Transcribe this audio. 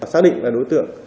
xác định là đối tượng